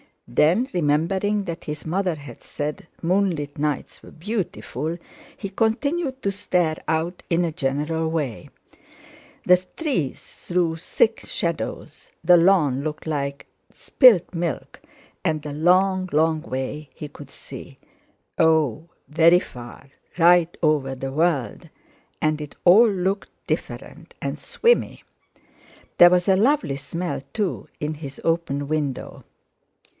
Then, remembering that his mother had said moonlit nights were beautiful, he continued to stare out in a general way. The trees threw thick shadows, the lawn looked like spilt milk, and a long, long way he could see; oh! very far; right over the world, and it all looked different and swimmy. There was a lovely smell, too, in his open window.